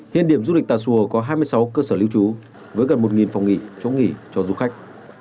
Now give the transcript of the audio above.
hiện điểm du lịch tà xùa có hai mươi sáu cơ sở lưu trú với gần một phòng nghỉ chỗ nghỉ cho du khách